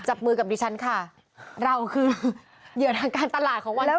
จับมือกับดิฉันค่ะเราคือเหยื่อทางการตลาดของวันนี้